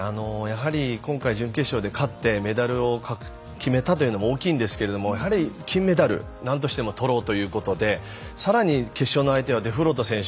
今回、準決勝で勝ってメダルを決めたというのも大きいですがやはり、金メダル何としても取ろうということでさらに決勝の相手はデフロート選手